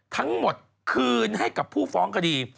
ทั้งหมดคืนให้กับผู้ฟ้องคดี